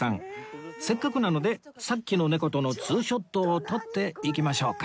せっかくなのでさっきの猫とのツーショットを撮っていきましょうか